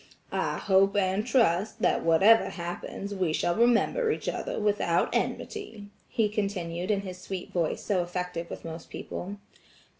"I hope and trust that whatever happens we shall remember each other without enmity," he continued in his sweet voice so effective with most people.